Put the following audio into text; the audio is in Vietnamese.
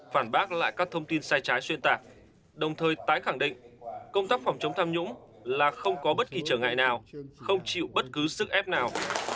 phản bác lại các thông tin sai trái xuyên tạp đồng thời tái khẳng định công tác phòng chống tham nhũng là không có bất kỳ trở ngại nào không chịu bất cứ sức ép nào